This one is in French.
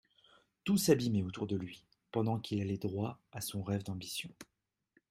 Tout s'abîmait autour de lui, pendant qu'il allait droit à son rêve d'ambition.